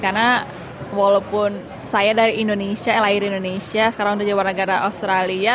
karena walaupun saya dari indonesia lahir di indonesia sekarang bekerja di negara australia